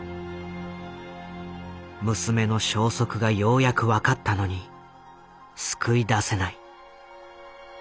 娘の消息がようやく分かったのに救い出せない。